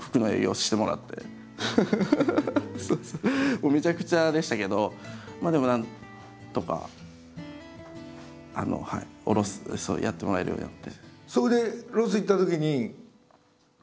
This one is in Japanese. もうめちゃくちゃでしたけどでもなんとか卸すってやってもらえるようになって。